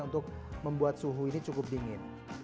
untuk membuat suhu ini cukup dingin